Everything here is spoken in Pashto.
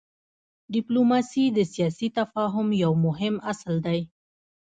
ډيپلوماسي د سیاسي تفاهم یو مهم اصل دی.